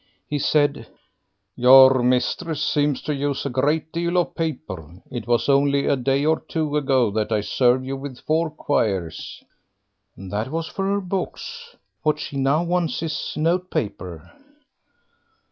He said "Your mistress seems to use a great deal of paper; it was only a day or two ago that I served you with four quires." "That was for her books; what she now wants is note paper."